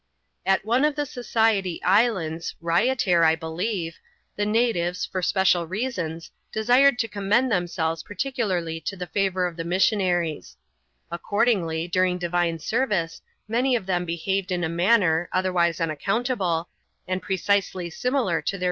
At one of the Society Islands — Raiatair, I believe — the natives, for special reasons, desired to commend themselves particularly to the favour of the missionaries. Accordingly, during divine service, many of them behaved in a manner, otherwise unaccountable, and precisely similar to their be * At this period, many of the pop\i\aA\oiti"v?